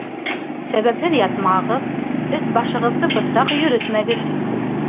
Сәбәпһеҙ ятмағыҙ, өҫ-башығыҙҙы бысраҡ йөрөтмәгеҙ.